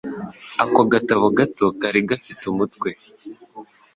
Ako gatabo gato kari gafite umutwe